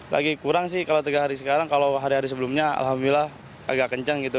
lagi kurang sih kalau tiga hari sekarang kalau hari hari sebelumnya alhamdulillah agak kencang gitu